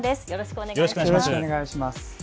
よろしくお願いします。